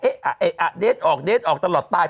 เอ๊ะอ่ะเอ๊ะอ่ะเด็ตออกเด็ตออกตลอดตาย